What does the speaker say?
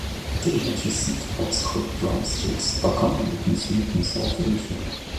The immature seed pods, called "drumsticks", are commonly consumed in South Asia.